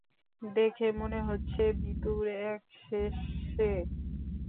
দেখে মনে হচ্ছে ভীতুর একশেষ সে।